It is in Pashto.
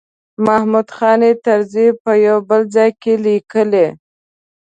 محمود خان طرزي په یو بل ځای کې لیکلي.